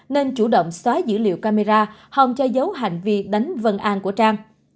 nên chủ động xóa dữ liệu camera hòng cho dấu hành vi đánh vân an